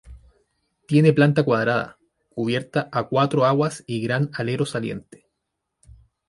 Tiene planta cuadrada, cubierta a cuatro aguas y gran alero saliente.